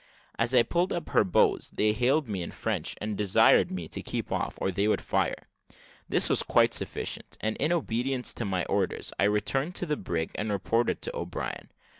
As I pulled up to her bows, they hailed me in French, and desired me to keep off, or they would fire. This was quite sufficient; and, in obedience to my orders, I returned to the brig and reported to O'Brien.